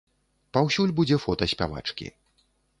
Паўсюль будзе фота спявачкі.